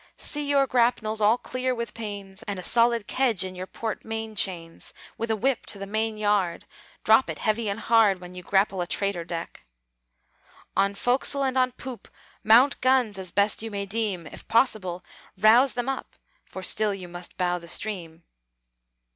See your grapnels all clear with pains, And a solid kedge in your port main chains, With a whip to the main yard: Drop it heavy and hard When you grapple a traitor deck! "On forecastle and on poop Mount guns, as best you may deem. If possible, rouse them up (For still you must bow the stream).